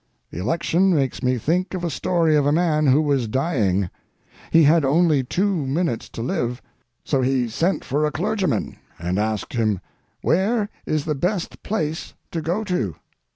The election makes me think of a story of a man who was dying. He had only two minutes to live, so he sent for a clergyman and asked him, "Where is the best place to go to?"